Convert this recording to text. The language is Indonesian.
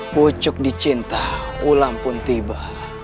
pucuk dicinta ulang pun tiba